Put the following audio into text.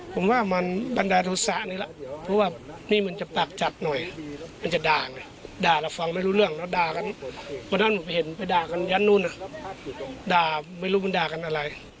ผมว่ามันบันดาลโทษะนี่แหละเพราะว่านี่มันจะปากจัดหน่อยมันจะด่าไงด่าเราฟังไม่รู้เรื่องแล้วด่ากันวันนั้นเห็นไปด่ากันยันนู่นนะครับด่าไม่รู้มันด่ากันอะไร